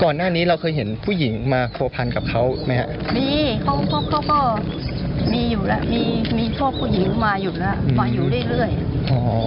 ก่อนหน้านี้เราเคยเห็นผู้หญิงมาโภพันกับเขาไหมฮะ